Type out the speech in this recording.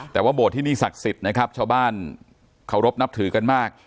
แต่ว่าโบสถที่นี่ศักดิ์สิทธิ์นะครับชาวบ้านเคารพนับถือกันมาก